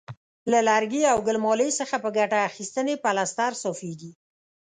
له لرګي او ګل مالې څخه په ګټه اخیستنې پلستر صافیږي.